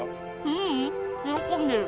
ううん喜んでる。